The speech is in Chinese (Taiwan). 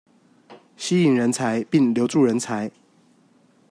吸引人才並留住人才